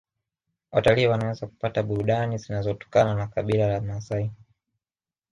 Watalii wanaweza kupata burudani zinazotokana na kabila la maasai